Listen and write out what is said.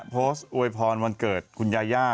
โวยพรวันเกิดคุณยาย่า